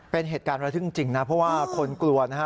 เป็นเหตุการณ์ระทึกจริงนะเพราะว่าคนกลัวนะฮะ